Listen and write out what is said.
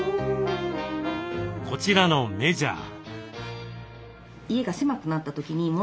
こちらのメジャー。